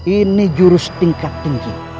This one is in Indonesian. ini jurus tingkat tinggi